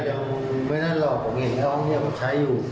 ตอนแรกจะต้องไงงั้นอะผมมาเองแต่รกใช้อยู่